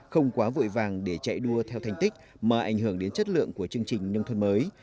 không quá vội vàng để chạy đua theo thành tích mà ảnh hưởng đến chất lượng của chương trình nông thôn mới